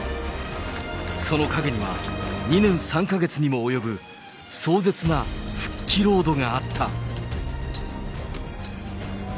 その陰には、２年３か月にも及ぶ壮絶な復帰ロードがあった。